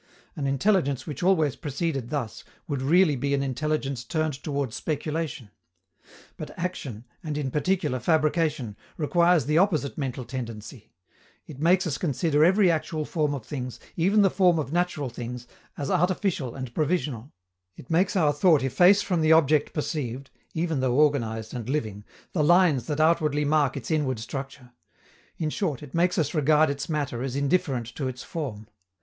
An intelligence which always proceeded thus would really be an intelligence turned toward speculation. But action, and in particular fabrication, requires the opposite mental tendency: it makes us consider every actual form of things, even the form of natural things, as artificial and provisional; it makes our thought efface from the object perceived, even though organized and living, the lines that outwardly mark its inward structure; in short, it makes us regard its matter as indifferent to its form.